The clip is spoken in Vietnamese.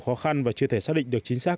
khó khăn và chưa thể xác định được chính xác